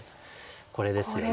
これですよね。